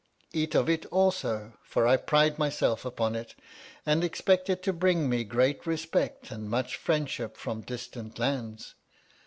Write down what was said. Eat of it also, for I pride myself upon it, and expect it to bring me great respect and much friendship from distant lands.